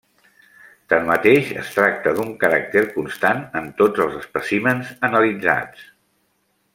Tanmateix, es tracta d'un caràcter constant en tots els espècimens analitzats.